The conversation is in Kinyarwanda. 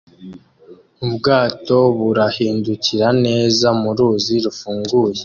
Ubwato burahindukira neza mu ruzi rufunguye